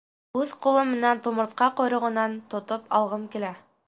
Үҙ ҡулым менән тумыртҡа ҡойроғонан тотоп алғым килә.